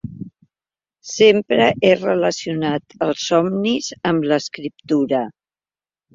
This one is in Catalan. Sempre he relacionat els somnis amb l'escriptura.